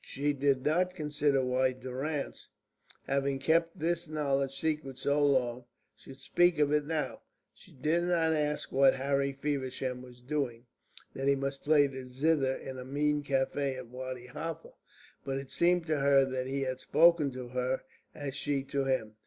She did not consider why Durrance, having kept this knowledge secret so long, should speak of it now. She did not ask what Harry Feversham was doing that he must play the zither in a mean café at Wadi Halfa. But it seemed to her that he had spoken to her as she to him.